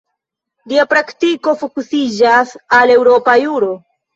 Lia praktiko fokusiĝas al eŭropa juro.